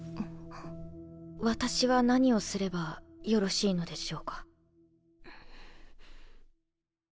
私は何をすればよろしいのでしょうか？